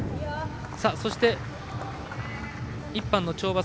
そして、１班の跳馬